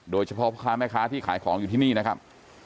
โดยเฉพาะพ่อค้าแม่ค้าที่ขายของอยู่ที่นี่นะครับ